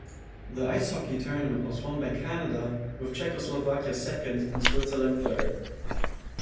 The ice hockey tournament was won by Canada, with Czechoslovakia second and Switzerland third.